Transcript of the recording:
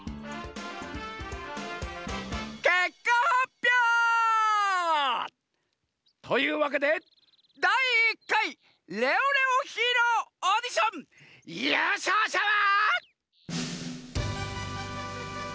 けっかはっぴょう！というわけでだい１かいレオレオヒーローオーディションゆうしょうしゃは。